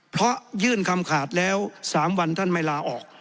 เพราะยื่นคำขาดแล้ว๓วันท่านไม่ลาออก